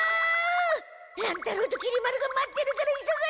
乱太郎ときり丸が待ってるから急がないと！